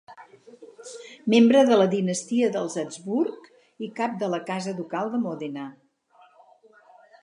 Membre de la dinastia dels Habsburg i cap de la casa ducal de Mòdena.